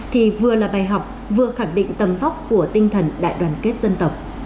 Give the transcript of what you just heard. thì vừa là bài học vừa khẳng định tầm vóc của tinh thần đại đoàn kết dân tộc